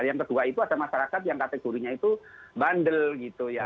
yang kedua itu ada masyarakat yang kategorinya itu bandel gitu ya